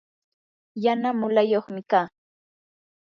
yana mulayuqmi kaa.